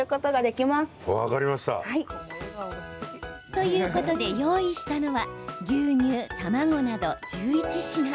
ということで用意したのは牛乳、卵など１１品。